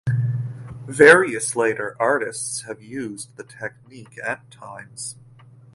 Various later artists have used the technique at times.